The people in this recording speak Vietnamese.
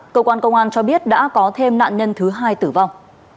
cơ quan công an cho biết đã có thêm nạn nhân thứ hai tử vong